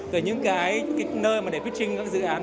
rồi những cái cái nơi mà để pitching các dự án